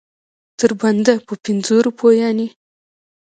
تر بنده په پنځو روپو یعنې.